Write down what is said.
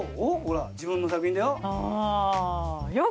ほら自分の作品だよ。